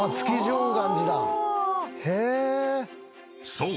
［そう！